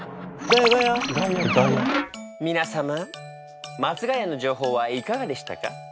皆様松が谷の情報はいかがでしたか？